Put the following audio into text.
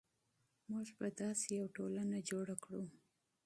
موږ به داسې یوه ټولنه جوړه کړو.